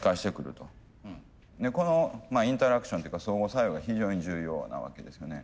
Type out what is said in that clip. このインタラクションっていうか相互作用が非常に重要なわけですよね。